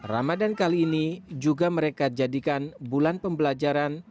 ramadan kali ini juga mereka jadikan bulan pembelajaran